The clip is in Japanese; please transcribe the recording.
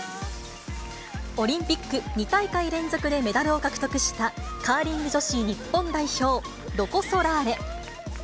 オリンピック２大会連続でメダルを獲得した、カーリング女子日本代表、ロコ・ソラーレ。